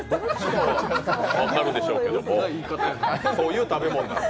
分かるでしょうけども、そういう食べものなんで。